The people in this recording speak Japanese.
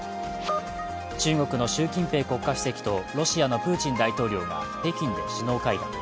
中国の習近平国家主席と、ロシアのプーチン大統領が北京で首脳会談。